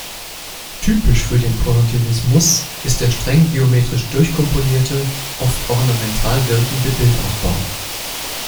Typisch für den Pointillismus ist der streng geometrisch durchkomponierte, oft ornamental wirkende Bildaufbau.